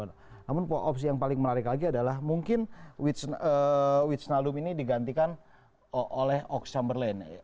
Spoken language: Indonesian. namun opsi yang paling menarik lagi adalah mungkin witts ngalum ini digantikan oleh oxlade chamberlain